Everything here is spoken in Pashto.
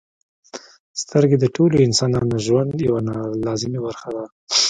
• سترګې د ټولو انسانانو ژوند یوه لازمي برخه ده.